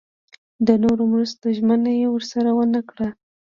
د نورو مرستو ژمنه یې ورسره ونه کړه.